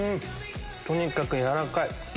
とにかく軟らかい。